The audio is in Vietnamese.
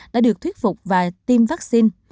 đã được thuyết phục và tiêm vaccine